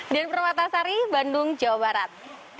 dian pramata sari bandung jawa barat